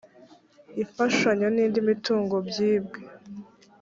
imfashanyo n indi mitungo byibwe.